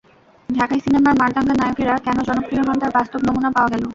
ঢাকাই সিনেমার মারদাঙ্গা নায়কেরা কেন জনপ্রিয় হন, তার বাস্তব নমুনা পাওয়া গেল।